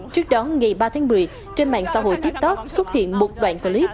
trước đó ngày ba tháng một mươi trên mạng xã hội tiktok xuất hiện một đoạn clip